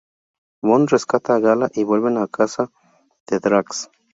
Bond rescata a Gala y vuelven a la casa de Drax.